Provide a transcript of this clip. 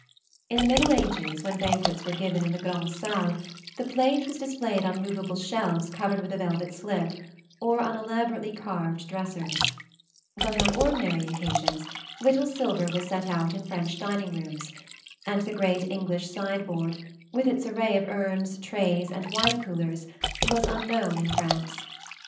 In the middle ages, when banquets were given in the grand'salle, the plate was displayed on movable shelves covered with a velvet slip, or on elaborately carved dressers; but on ordinary occasions little silver was set out in French dining rooms, and the great English sideboard, with its array of urns, trays and wine coolers, was unknown in France.